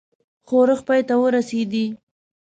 ښورښ پای ته ورسېدی.